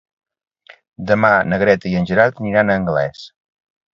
Demà na Greta i en Gerard aniran a Anglès.